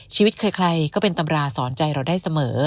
ชีวิตใครก็เป็นตำราสอนใจเราได้เสมอ